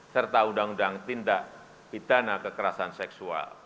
serta undang undang tindak pidana kekerasan seksual